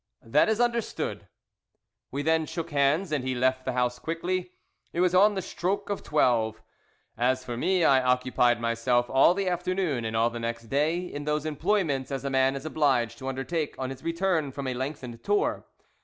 "That is understood." We then shook hands and he left the house quickly. It was on the stroke of twelve. As for me, I occupied myself all the afternoon and all the next day in those employments as a man is obliged to undertake on his return from a lengthened tour.